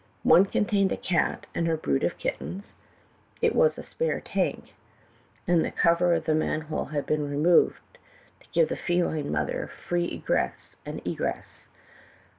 One contained a cat and her brood of kittens; it was a spare tank, and the cover of the manhole had been removed to give the feline mother free ingress and egress.